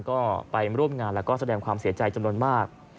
ก็ไปร่วมงานแล้วก็แสดงความเสียใจจำนวนมาก